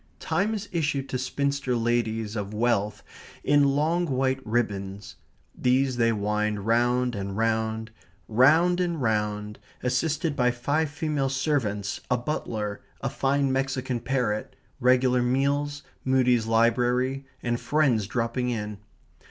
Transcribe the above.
Time is issued to spinster ladies of wealth in long white ribbons. These they wind round and round, round and round, assisted by five female servants, a butler, a fine Mexican parrot, regular meals, Mudie's library, and friends dropping in.